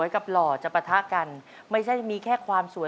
ครับพร้อมแล้วรวย